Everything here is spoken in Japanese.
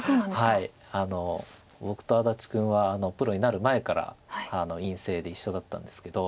僕と安達君はプロになる前から院生で一緒だったんですけど。